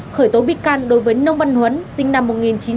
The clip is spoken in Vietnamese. khởi tố bị can đối với nông văn huấn sinh năm một nghìn chín trăm tám mươi ba